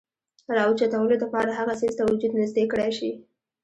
راوچتولو د پاره هغه څيز ته وجود نزدې کړے شي ،